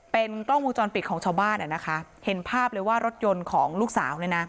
เป็นกล้องวงจรปิดของชาวบ้านอ่ะนะคะเห็นภาพเลยว่ารถยนต์ของลูกสาวเนี่ยนะ